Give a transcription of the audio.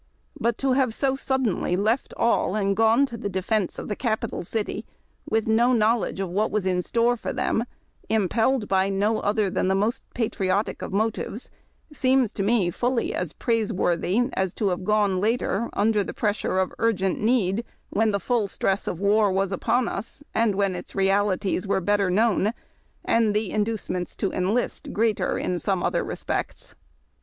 But to have so suddenly left all, and gone to the defence of the Capital City, with no knowledge of what was in store for them, and impelled by no other than the most patriotic of motives, seems to me fully as praiseworthy as to have gone later under the pressure of urgent need, when the full stress of war was upon us, and when its realities were better known, and the inducements to enlist greater in some other respects.